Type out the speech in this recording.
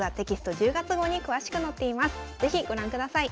是非ご覧ください。